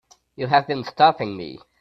You have been stopping me.